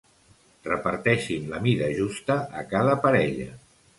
Reparteixin la mida justa a cada parella.